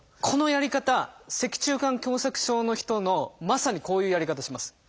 このやり方脊柱管狭窄症の人のまさにこういうやり方します。